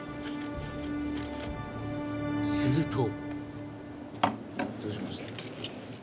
すると